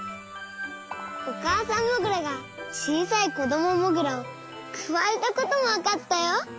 おかあさんモグラがちいさいこどもモグラをくわえたこともわかったよ。